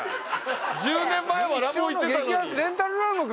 １０年前はラブホ行ってたのに。